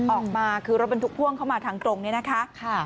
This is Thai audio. ออกมาคือรถบรรทุกพ่วงเข้ามาทางตรงนี้นะคะ